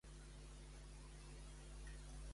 Què ha declinat de Sánchez?